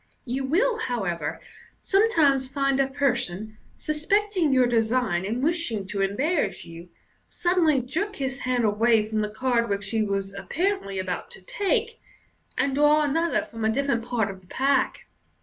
You will, however, sometimes find a person, suspecting your design and wishing to embarrass you, suddenly jerk his hand away from the card which he was apparently about to take, and draw another from a different part of the pack.